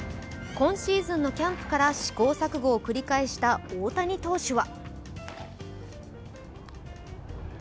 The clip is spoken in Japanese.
今シーズンのキャンプから試行錯誤を繰り返した大谷投手は。